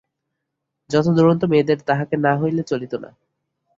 যত দুরন্ত মেয়েদের তাহাকে না হইলে চলিত না।